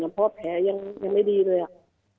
เพราะแผลยังไม่ดีเลยอะ